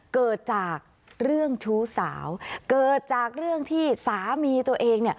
เกิดจากเรื่องชู้สาวเกิดจากเรื่องที่สามีตัวเองเนี่ย